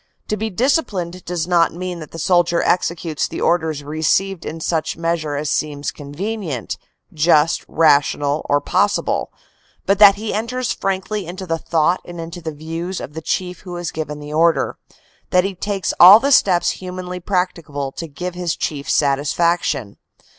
To be disciplined does not mean that the soldier executes the orders received in such mea sure as seems convenient, just, rational or possible; but that he enters frankly into the thought and into the views of the Chief who has given the order, that he takes all the steps humanly practicable to give his Chief satisfaction.